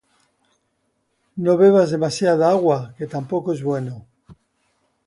¡No bebas demasiada agua, que tampoco es bueno!